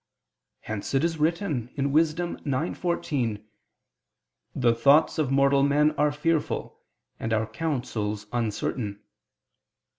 Hence it is written (Wis. 9:14): "The thoughts of mortal men are fearful, and our counsels uncertain."